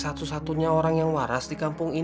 nanti sementara i offen walang deskripsi